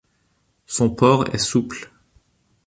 Son port est souple.